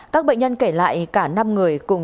các bệnh nhân kể lại cả năm người cùng